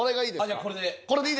じゃあこれで。